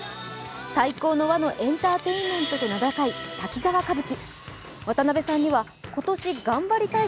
最高の和のエンターテインメントと名高い「滝沢歌舞伎」。